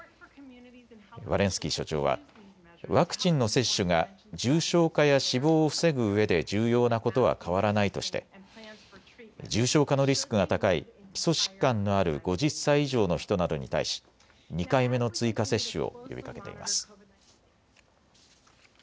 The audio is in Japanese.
ワレンスキー所長はワクチンの接種が重症化や死亡を防ぐうえで重要なことは変わらないとして重症化のリスクが高い基礎疾患のある５０歳以上の人などに対し２回目の追加接種を呼びかけています。